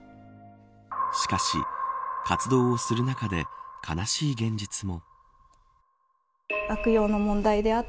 しかし、活動をする中で悲しい現実も。